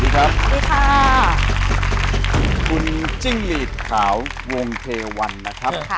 คุณจิ้งลีดขาววงเทวัณนะครับ